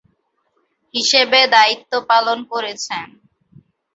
হিসেবে দায়িত্ব পালন করেছেন।